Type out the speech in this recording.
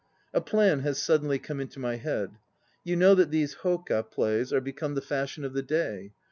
A plan has suddenly come into my head. You know that these hdka plays 1 are become the fashion of the day.